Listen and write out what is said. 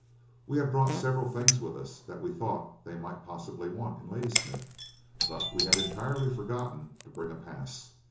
We had brought several things with us that we thought they might possibly want in Ladysmith, but we had entirely forgotten to bring a pass.